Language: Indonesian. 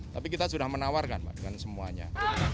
tapi kita sudah menawarkan pak dengan semuanya